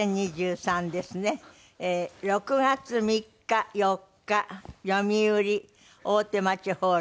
６月３日４日よみうり大手町ホール。